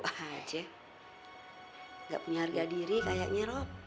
tuh aja gak punya harga diri kayaknya rob